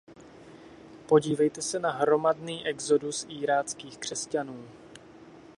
Podívejte se na hromadný exodus iráckých křesťanů.